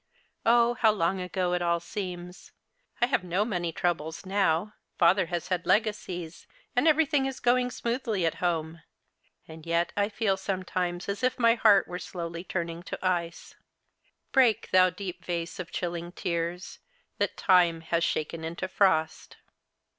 Oh, how long ago it all seems ! I have no money troubles now. Father has had legacies, and everything is going smoothly at home. And yet I feel sometimes as if my heart w ere slowly turning to ice. '• Break, thou deep vase of chilliug tears, That time has shaken into frost."